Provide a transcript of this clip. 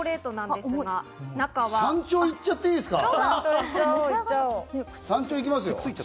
山頂いっちゃっていいですか？